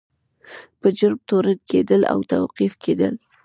په جرم تورن کیدل او توقیف کیدل.